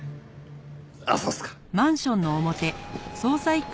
ああそうっすか。